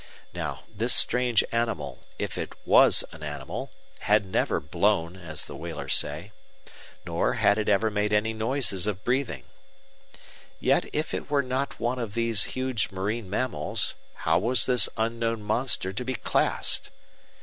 Now, this strange animal, if it was an animal, had never "blown" as the whalers say; nor had it ever made any noises of breathing. Yet if it were not one of these huge marine mammals, how was this unknown monster to be classed?